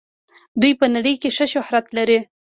دوی په نړۍ کې ښه شهرت لري.